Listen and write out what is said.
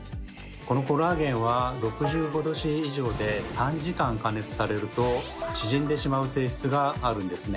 このコラーゲンは６５℃以上で短時間加熱されると縮んでしまう性質があるんですね。